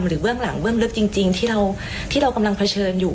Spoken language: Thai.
หรือเวิ่งหลังเวิ่งเลือกจริงที่เรากำลังเผชิญอยู่